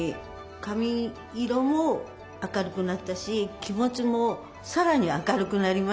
髪色も明るくなったし気持ちもさらに明るくなりましたね。